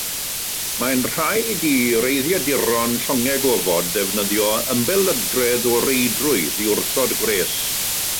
Mae'n rhaid i reiddiaduron llongau gofod ddefnyddio ymbelydredd o reidrwydd i wrthod gwres.